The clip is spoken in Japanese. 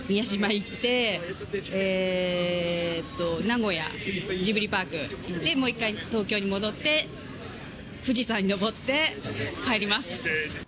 行って名古屋、ジブリパーク行ってもう１回、東京に戻って富士山に登って帰ります。